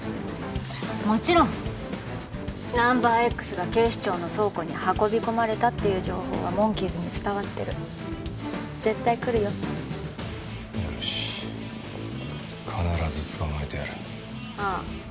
もちろん「ナンバーＸ」が警視庁の倉庫に運び込まれたっていう情報はモンキーズに伝わってる絶対来るよよし必ず捕まえてやるああ